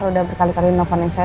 sudah berkali kali menelpon saya